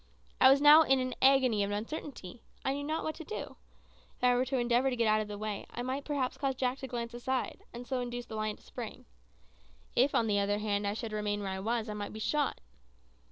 I was now in an agony of uncertainty. I knew not what to do. If I were to endeavour to get out of the way, I might perhaps cause Jack to glance aside, and so induce the lion to spring. If, on the other hand, I should remain where I was, I might be shot.